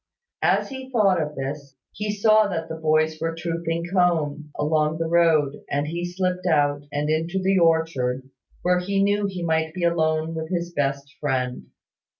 As he thought of this, he saw that the boys were trooping home, along the road, and he slipped out, and into the orchard, where he knew he might be alone with his best Friend.